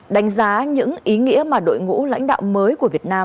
đánh giá những ý nghĩa mà đội ngũ lãnh đạo mới của việt nam